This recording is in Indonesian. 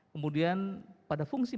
kemudian pada fungsi